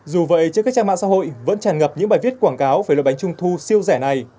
dù vậy trên các trang mạng xã hội vẫn tràn ngập những bài viết quảng cáo về loại bánh trung thu siêu rẻ này